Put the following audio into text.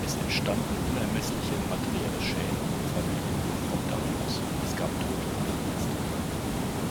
Es entstanden unermessliche materielle Schäden, Familien wurden obdachlos, es gab Tote und Verletzte.